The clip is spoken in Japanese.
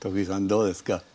どうですか？